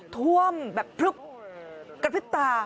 ท่วมกระพรึกป่า